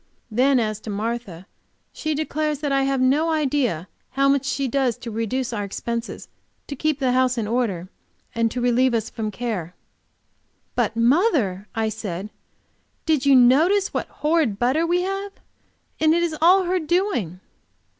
Then as to Martha, she declares that I have no idea how much she does to reduce our expenses, to keep the house in order and to relieve us from care. "But, mother," I said, "did you notice what horrid butter we have? And it is all her doing."